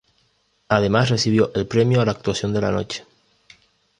Además recibió el premio a la "Actuación de la Noche".